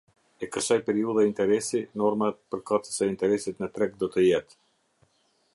E kësaj Periudhe Interesi, Norma Përkatëse e Interesit në Treg do të jetë.